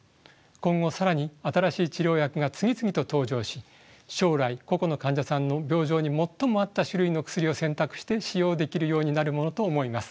今後更に新しい治療薬が次々と登場し将来個々の患者さんの病状に最も合った種類の薬を選択して使用できるようになるものと思います。